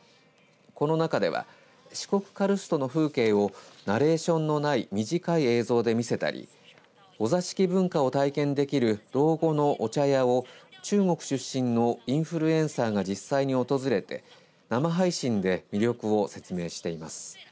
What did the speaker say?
この中では四国カルストの風景をナレーションのない短い映像で見せたりお座敷文化を体験できる道後のお茶屋を中国出身のインフルエンサーが実際に訪れて生配信で魅力を説明しています。